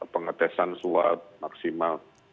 pengetesan suat maksimal